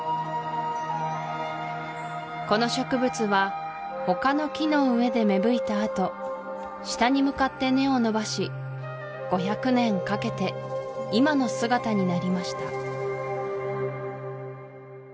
この植物は他の木の上で芽吹いたあと下に向かって根を伸ばし５００年かけて今の姿になりました